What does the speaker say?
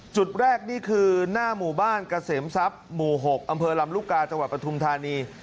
จุดแรกนี่คือหน้าหมู่บ้านเกษมทรัพย์หมู่๖อำเภอลำลูกกาจังหวัดปทุมธานี